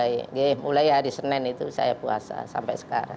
oke mulai hari senin itu saya puasa sampai sekarang